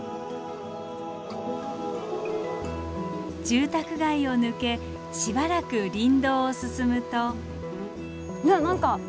住宅街を抜けしばらく林道を進むと。